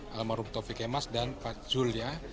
halo maaf bapak fikemas dan pak julia